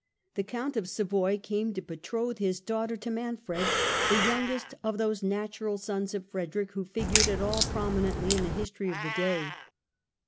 The Count of Savoy came to betroth his daughter to Manfred, the youngest of those natural sons of Frederick who figured at all prominently in the history of the day.